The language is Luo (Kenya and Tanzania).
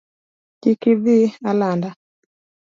Kik idhi alanda